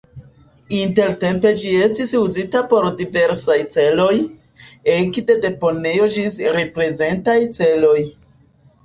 Intertempe ĝi estis uzita por diversaj celoj, ekde deponejo ĝis reprezentaj celoj.